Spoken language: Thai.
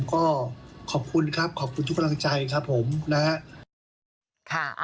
ก็ขอบคุณครับขอบคุณทุกกำลังใจครับผมนะครับ